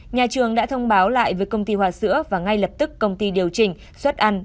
nhà trường đã thông báo lại với công ty hòa sữa và ngay lập tức công ty điều chỉnh xuất ăn